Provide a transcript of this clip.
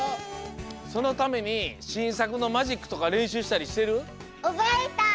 そのためにしんさくのマジックとかれんしゅうしたりしてる？